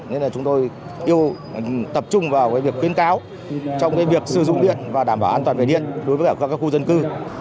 nên là chúng tôi tập trung vào việc khuyến cáo trong việc sử dụng điện và đảm bảo an toàn về điện đối với các khu dân cư